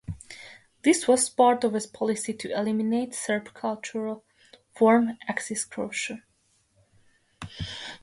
This was part of a policy to eliminate Serb culture from Axis Croatia.